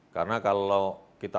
karena kalau kita